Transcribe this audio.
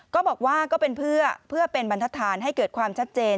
ก็บอกว่าก็เป็นเพื่อเป็นบรรทฐานให้เกิดความชัดเจน